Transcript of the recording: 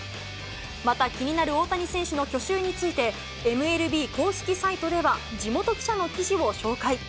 また、気になる大谷選手の去就について、ＮＬＢ公式サイトでは、地元記者の記事を紹介。